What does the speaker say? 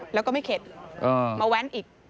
แล้วก็ไม่เข็ดมาแว้นอีก